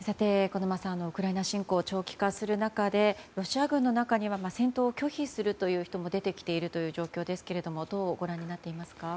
小沼さん、ウクライナ侵攻が長期化する中でロシア軍の中には戦闘を拒否する人も出てきているという状況ですがどうご覧になっていますか。